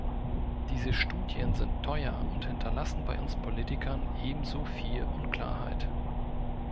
Diese Studien sind teuer und hinterlassen bei uns Politikern ebenso viel Unklarheit.